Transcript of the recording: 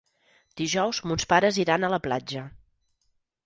Dijous mons pares iran a la platja.